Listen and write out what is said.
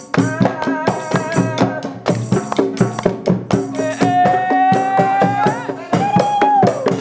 tunggu tunggu tunggu